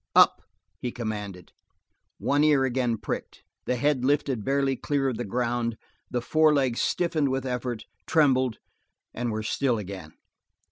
"Up!" he commanded. One ear again pricked; the head lifted barely clear of the ground; the forelegs stiffened with effort, trembled, and were still again.